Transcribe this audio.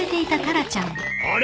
あれ？